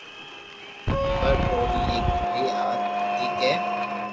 پر او ري ايڪ ڀلي آست ھتي ڪي